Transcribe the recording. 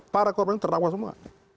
para korban tertakwa semua